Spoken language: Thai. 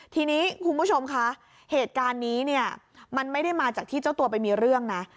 ทีนี้คุณผู้ชมคะเหตุการณ์นี้เนี่ยมันไม่ได้มาจากที่เจ้าตัวไปมีเรื่องนะ